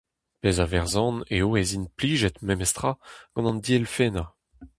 Pezh a verzan eo ez int plijet memes tra gant an dielfennañ.